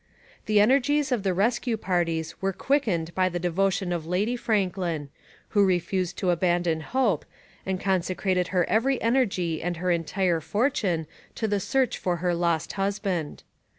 The energies of the rescue parties were quickened by the devotion of Lady Franklin, who refused to abandon hope, and consecrated her every energy and her entire fortune to the search for her lost husband.